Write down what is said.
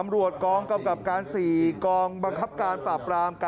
และ๒๗ครับ